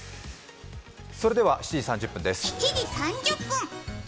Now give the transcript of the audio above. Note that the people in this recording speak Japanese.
それでは７時３０分です。